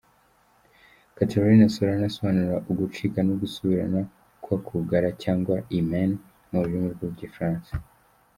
Catherine Solano asobanura ugucika n’ugusubirana kw’akugara cyangwa hymen mu rurimi rw’igifaransa.